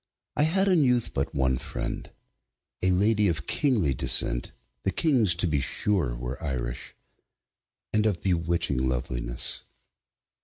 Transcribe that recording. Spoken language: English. I had in youth but one friend, a lady of kingly descent (the kings, to be sure, were Irish), and of bewitching loveliness.